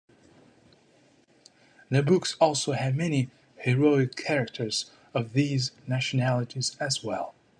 The books also had many heroic characters of these nationalities as well.